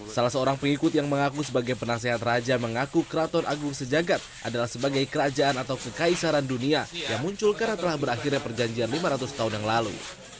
salah seorang pengikut yang mengaku sebagai penasehat raja mengaku keraton agung sejagat adalah sebagai kerajaan atau kekaisaran dunia yang muncul karena telah berakhirnya perjanjian lima ratus tahun yang lalu